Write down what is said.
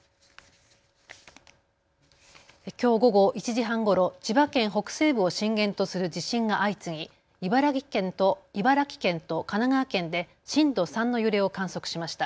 きょう午後１時半ごろ千葉県北西部を震源とする地震が相次ぎ、茨城県と神奈川県で震度３の揺れを観測しました。